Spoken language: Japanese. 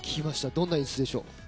どんな演出でしょう？